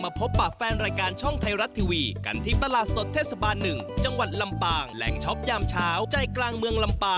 แล้วก็บรรยากาศในการตลอดสัญจรออนทัวร์ของเราที่ภาคเหนือครับ